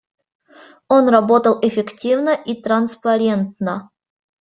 Он работал эффективно и транспарентно.